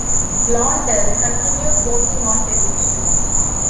Blondell continued working on television.